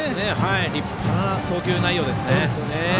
立派な投球内容ですね。